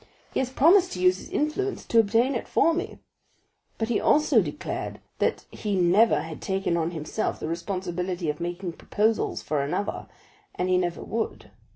He has promised to use his influence to obtain it for me; but he also declared that he never had taken on himself the responsibility of making proposals for another, and he never would.